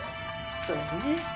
そうね。